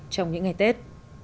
trong những ngày tết